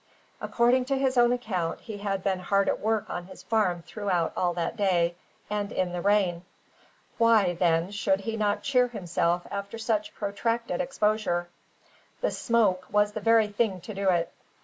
According to his own account, he had been hard at work on his farm throughout all that day, and in the rain. Why, then, should he not cheer himself after such protracted exposure? The "smoke" was the very thing to do it.